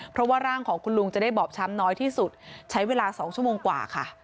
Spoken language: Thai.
เพราะว่าร่างของคุณลุงจะได้บอบช้ำน้อยที่สุดใช้เวลา๒ชั่วโมงกว่าค่ะ